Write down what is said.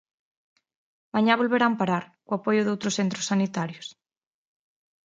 Mañá volverán parar, co apoio doutros centros sanitarios.